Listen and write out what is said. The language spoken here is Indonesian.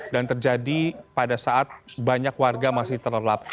dan terjadi pada saat banyak warga masih terlelap